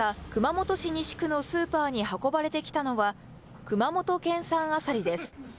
けさ、熊本市西区のスーパーに運ばれてきたのは、熊本県産アサリです。